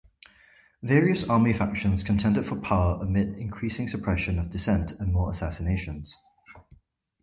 Various army factions contended for power amid increasing suppression of dissent and more assassinations.